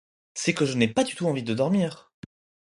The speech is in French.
C'est que je n'ai pas du tout envie de dormir!